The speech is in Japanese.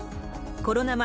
コロナ前、